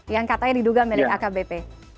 yang katanya diduga milik akbp